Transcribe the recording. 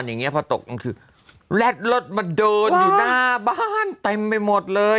อย่างเงี้พอตกกลางคืนแร็ดรถมาเดินอยู่หน้าบ้านเต็มไปหมดเลย